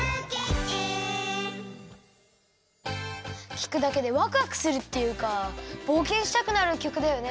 きくだけでわくわくするっていうかぼうけんしたくなるきょくだよね。